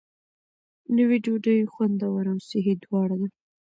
نوې ډوډۍ خوندوره او صحي دواړه ده.